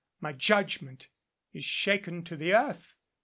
My judgment is shaken to the earth.